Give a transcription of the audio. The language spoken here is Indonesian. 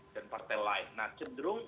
dan partai lain nah cenderung